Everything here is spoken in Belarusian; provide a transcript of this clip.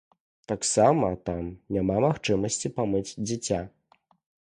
Таксама там няма магчымасці памыць дзіця.